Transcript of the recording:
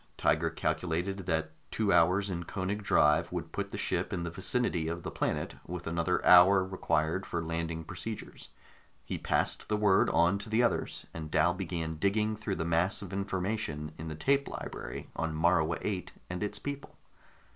Tiger calculated that two hours in Koenig drive would put the ship in the vicinity of the planet, with another hour required for landing procedures. He passed the word on to the others, and Dal began digging through the mass of information in the tape library on Morua VIII and its people.